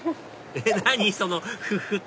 えっ何⁉そのフフっ！